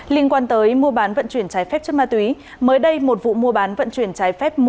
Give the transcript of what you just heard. liên quan tới mua bán vận chuyển trái phép chất ma túy mới đây một vụ mua bán vận chuyển trái phép